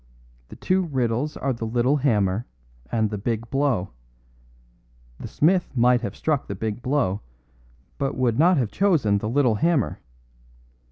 The two riddles are the little hammer and the big blow. The smith might have struck the big blow, but would not have chosen the little hammer.